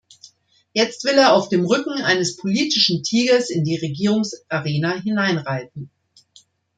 Jetzt will er auf dem Rücken eines politischen Tigers in die Regierungsarena hineinreiten.